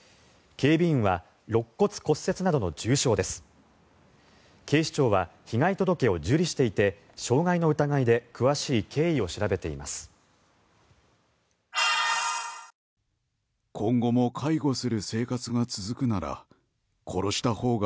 警視庁は被害届を受理していて傷害の疑いで詳しい経緯を調べています。